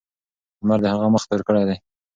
لمر د هغه مخ تور کړی دی.